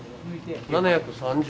７３０？